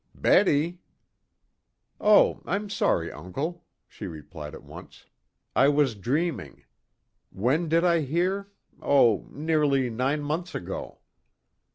"Betty!" "Oh, I'm sorry, uncle," she replied at once. "I was dreaming. When did I hear? Oh, nearly nine months ago."